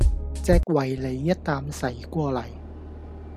隻維尼一啖噬過嚟